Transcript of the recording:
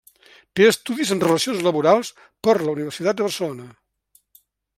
Té estudis en Relacions Laborals per la Universitat de Barcelona.